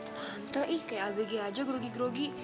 tante ih kayak abg aja grogi grogi